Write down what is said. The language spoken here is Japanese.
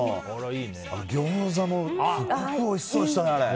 餃子もすごくおいしそうでしたね。